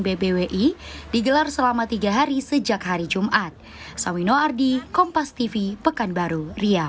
bbwi digelar selama tiga hari sejak hari jumat sawino ardi kompas tv pekanbaru riau